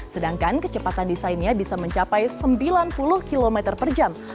sedangkan kecepatan desainnya bisa mencapai sembilan puluh km per jam